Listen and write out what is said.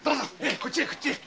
こっちへこっちへ。